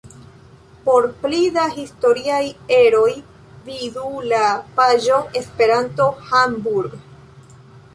Por pli da historiaj eroj vidu la paĝon Esperanto-Hamburg.